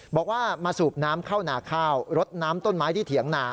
บอกว่ามาสูบน้ำเข้านาข้าวรดน้ำต้นไม้ที่เถียงนา